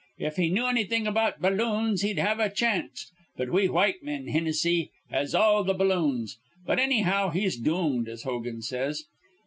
If he knew annything about balloons, he'd have a chanst; but we white men, Hinnissy, has all th' balloons. But, annyhow, he's doomed, as Hogan says.